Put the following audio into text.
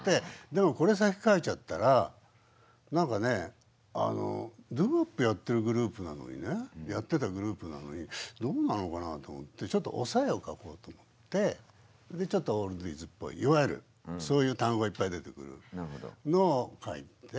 でもこれ先書いちゃったらなんかねドゥーワップやってるグループなのにねやってたグループなのにどうなのかなと思ってちょっとおさえを書こうと思ってでちょっとオールディーズっぽいいわゆるそういう単語がいっぱい出てくるのを書いて。